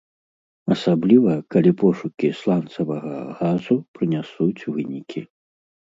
Асабліва, калі пошукі сланцавага газу прынясуць вынікі.